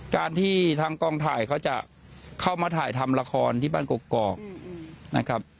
การที่ทางกองถ่ายเขาจะเข้ามาถ่ายทำละครที่บ้านกรกนะครับ